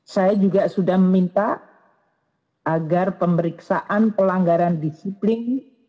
saya juga sudah meminta agar pemeriksaan pelanggaran disiplin